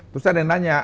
terus ada yang nanya